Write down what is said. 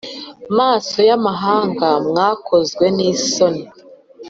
maso y’amahanga mwakozwe nisoni